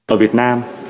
ở việt nam